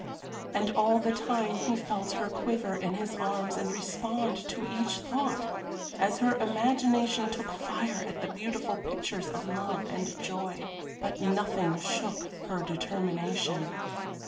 And all the time he felt her quiver in his arms and respond to each thought, as her imagination took fire at the beautiful pictures of love and joy. But nothing shook her determination.